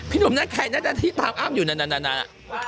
พี่หนุ่มนั่นใครน่ะที่ตามอ้ำอยู่นานานา